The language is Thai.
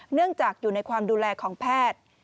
เนื่องจากอยู่ในความดูแลของแพทย์